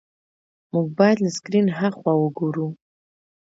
موږ باید له سکرین هاخوا وګورو.